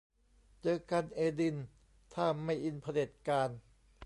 เจอกันเอดินถ้าไม่อินเผด็จการ